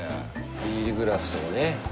ビールグラスをね